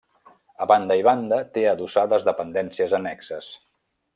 A banda i banda té adossades dependències annexes.